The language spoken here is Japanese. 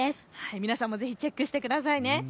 皆さんもぜひチェックしてください。